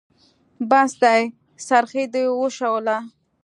بس دی؛ څرخی دې وشوله.